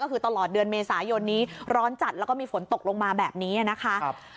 ก็คือตลอดเดือนเมษายนนี้ร้อนจัดแล้วก็มีฝนตกลงมาแบบนี้นะคะ